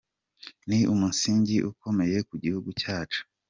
Ni umusingi ukomeye ku gihugu cyacu.”